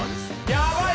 やばい